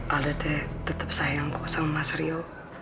alda teh tetap sayangku sama mas ryo